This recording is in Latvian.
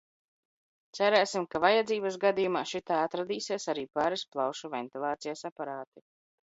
Cerēsim, ka vajadzības gadījumā šitā atradīsies arī pāris plaušu ventilācijas aparāti.